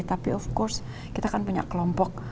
tapi of course kita kan punya kelompok